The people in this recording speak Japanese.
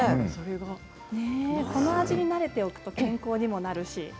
この味に慣れておくと健康にもなるし。